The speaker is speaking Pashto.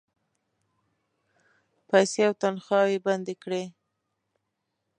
پیسې او تنخواوې بندي کړې.